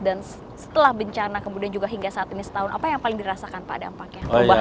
dan setelah bencana kemudian juga hingga saat ini setahun apa yang paling dirasakan pak dampak